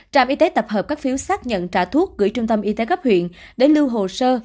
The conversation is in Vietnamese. trạm y tế tập hợp các phiếu xác nhận trả thuốc gửi trung tâm y tế cấp huyện để lưu hồ sơ